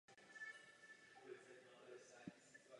Vůz je určen zejména pro závody v jihoafrickém šampionátu.